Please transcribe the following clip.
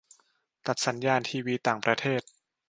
- ตัดสัญญาณทีวีต่างประเทศ